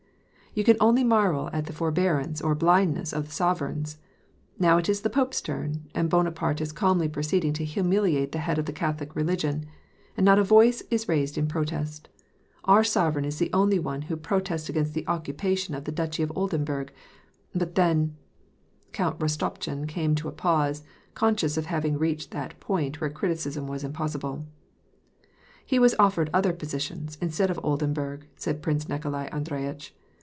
" You can only marvel at the forbearance or the blindness of the sover eigns. Now it is the pope's turn ; and Bonaparte is calmly proceeding to humiliate the head of the Catholic religion ; and not a voice is raised in protest ! Our sovereign is the only one who protests against the occupation of the Duchy of Oldenburg. But then "— Count Rostopchin came to a pause, conscious of having reached that point where criticism was impossible. " He was offered other possessions, instead of Oldenburg," said Prince Nikolai Andreyitch.